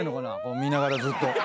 見ながらずっと。